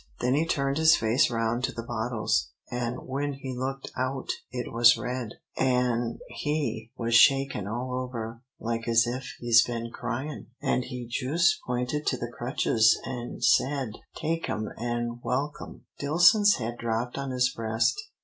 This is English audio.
Then he turned his face round to the bottles, an' when he looked out it was red, an' he was shakin' all over like as if he's been cryin', an' he jus' pointed to the crutches an' said, 'Take 'em, an' welcome.'" Dillson's head dropped on his breast.